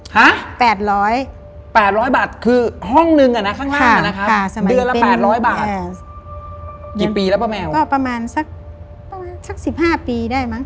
ฮะ๘๐๐บาทคือห้องหนึ่งนี่นะข้างด้วยนะประมาณ๑๕ปีได้มั้ง